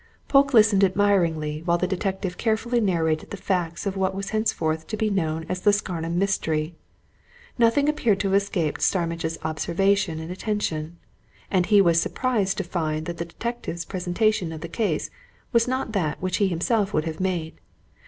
Polke listened admiringly while the detective carefully narrated the facts of what was henceforth to be known as the Scarnham Mystery. Nothing appeared to have escaped Starmidge's observation and attention. And he was surprised to find that the detective's presentation of the case was not that which he himself would have made.